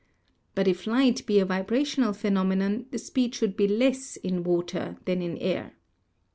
But if light be a vibrational phenomenon the speed should be less in water than in air.